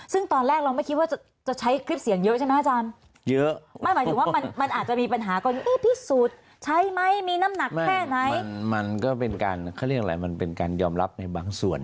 ซึ่งตอนแรกเราไม่คิดว่าจะใช้คลิปเสียงเยอะใช่ไหมอาจารย์